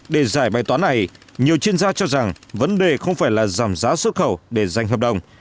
để giải bài toán này nhiều chuyên gia cho rằng vấn đề không phải là giảm giá xuất khẩu để giành hợp đồng